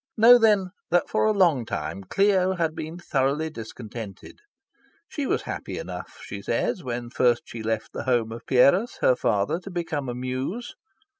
Know, then, that for a long time Clio had been thoroughly discontented. She was happy enough, she says, when first she left the home of Pierus, her father, to become a Muse.